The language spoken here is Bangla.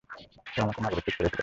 ও আমাকে না বলে চুপ করে চলে গেছে।